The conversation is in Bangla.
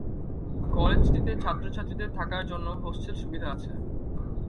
কলেজটিতে ছাত্র-ছাত্রীদের থাকার জন্য হোস্টেল সুবিধা আছে।